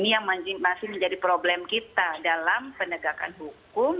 ini yang masih menjadi problem kita dalam penegakan hukum